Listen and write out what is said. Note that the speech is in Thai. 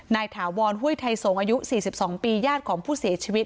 นายถาวรหุ้ยไทยสงศ์อายุสี่สิบสองปีญาติของผู้เสียชีวิต